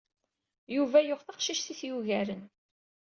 Yuba yuɣ taqcict i t-yugaren.